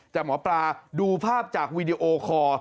แต่หมอปลาดูภาพจากวีดีโอคอร์